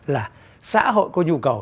là xã hội có nhu cầu